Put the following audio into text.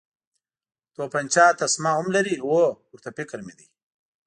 تومانچه تسمه هم لري، هو، ورته فکر مې دی.